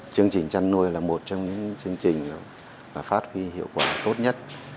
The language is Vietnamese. chương trình chăn nuôi là một trong những chương trình phát huy hiệu quả tốt nhất